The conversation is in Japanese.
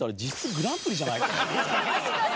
確かに。